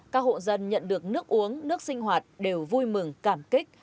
các hộ dân nhận được nước uống nước sinh hoạt đều vui mừng cảm kích